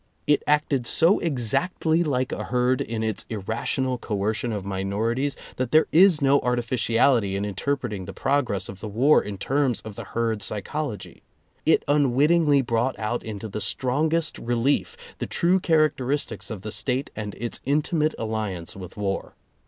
It acted so exactly like a herd in its irrational coercion of minorities that there is no artificiality in interpreting the progress of the war in terms of the herd psychology. It unwittingly brought out into the strongest relief the true char acteristics of the State and its intimate alliance with war.